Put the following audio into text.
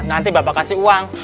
nanti bapak kasih uang